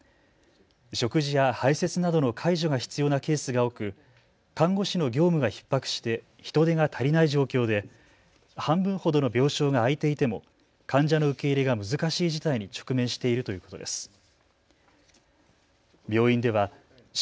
食事や排せつなどの介助が必要なケースが多く看護師の業務がひっ迫して人手が足りない状況で半分ほどの病床が空いていても患者の受け入れが難しい事態に直面しているということです。